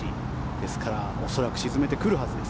ですから恐らく沈めてくるはずです。